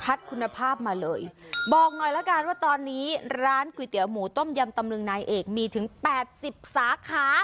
คุณภาพมาเลยบอกหน่อยละกันว่าตอนนี้ร้านก๋วยเตี๋ยวหมูต้มยำตำลึงนายเอกมีถึงแปดสิบสาขา